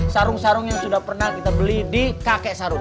sarung sarung yang sudah pernah kita beli di kakek sarung